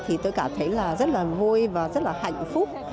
thì tôi cảm thấy là rất là vui và rất là hạnh phúc